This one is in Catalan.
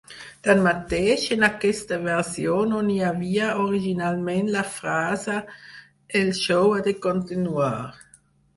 Tanmateix, en aquesta versió no hi havia, originalment, la frase "El xou ha de continuar!"